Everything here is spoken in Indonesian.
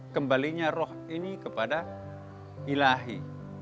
kembalinya roh ini kepada ilahi